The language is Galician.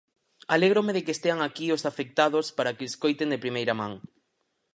Alégrome de que estean aquí os afectados para que o escoiten de primeira man.